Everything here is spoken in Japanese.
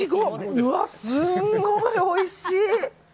うわ、すんごいおいしい。